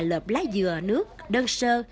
lợp lá dừa nước đơn sơ